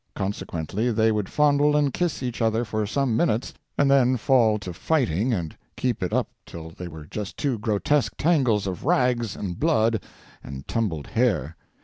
Consequently they would fondle and kiss each other for some minutes, and then fall to fighting and keep it up till they were just two grotesque tangles of rags and blood and tumbled hair.